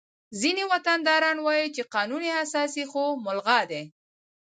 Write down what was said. ځینې وطنداران وایي چې قانون اساسي خو ملغا دی